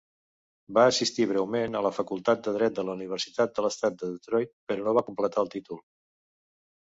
Va assistir breument a la Facultat de Dret de la Universitat de l'Estat de Detroit, però no va completar el títol.